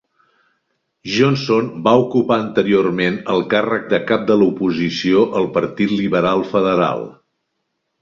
Johnson va ocupar anteriorment el càrrec de cap de l'oposició al Partit Liberal Federal.